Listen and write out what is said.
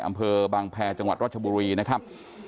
อำเภอบางแพรจังหวัดรัชบุรีนะครับ